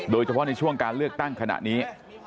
โดยเฉพาะในช่วงการเลือกตั้งขณะนี้